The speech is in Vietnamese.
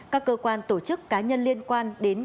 các cơ quan tổ chức cá nhân liên quan đến